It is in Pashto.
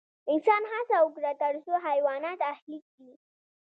انسان هڅه وکړه تر څو حیوانات اهلي کړي.